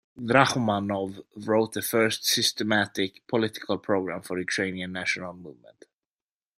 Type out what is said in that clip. Drahomanov wrote the first systematic political program for the Ukrainian national movement.